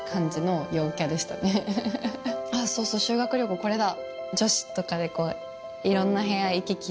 あっそうそう修学旅行これだ。